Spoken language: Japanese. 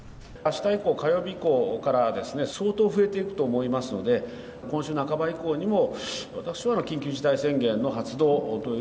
あした以降、火曜日以降から、相当増えていくと思いますので、今週半ば以降にも、